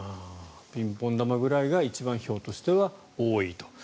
ピンポン球ぐらいがひょうとしては一番多いと。